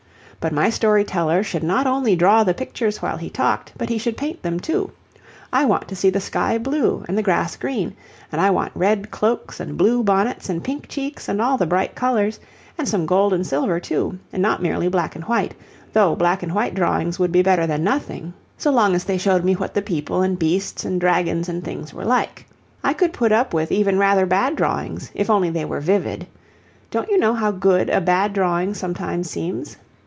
But my story teller should not only draw the pictures while he talked, but he should paint them too. I want to see the sky blue and the grass green, and I want red cloaks and blue bonnets and pink cheeks and all the bright colours, and some gold and silver too, and not merely black and white though black and white drawings would be better than nothing, so long as they showed me what the people and beasts and dragons and things were like. I could put up with even rather bad drawings if only they were vivid. Don't you know how good a bad drawing sometimes seems?